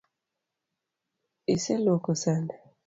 Iseluoko sande?